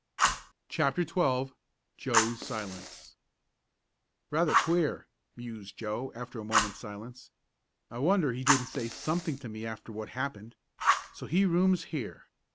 CHAPTER XII JOE'S SILENCE "Rather queer," mused Joe, after a moment's silence. "I wonder he didn't say something to me after what happened. So he rooms here?